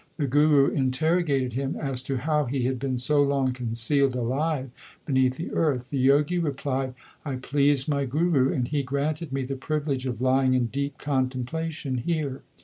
The Guru interrogated him as to how he had been so long concealed alive beneath the earth. The Jogi replied, I pleased my guru, and he granted me the privilege of lying in deep contemplation here.